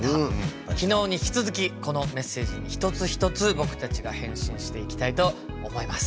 昨日に引き続きこのメッセージに一つ一つ僕たちが「返信」していきたいと思います。